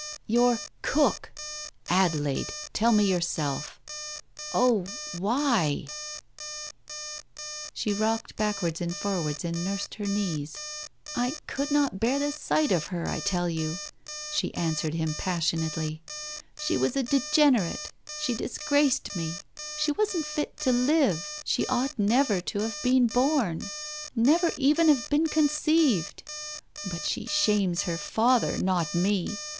"Your cook! Adelaide, tell me yourself. Oh, why ?" She rocked backwards and forwards and nursed her knees. "I could not bear the sight of her, I tell you !" she answered him passionately. "She was a degenerate. She disgraced me. She wasn't fit to live, she ought Digitized by Google ,14 TALES OF THE UNEASY never to have been born — never even have been con ceived! But she shames her father, not me